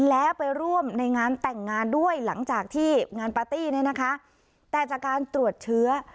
แล้วไปร่วมในงานแต่งงานด้วยหลังจากที่งานปาร์ตี้เนี่ยนะคะแต่จากการตรวจเชื้อ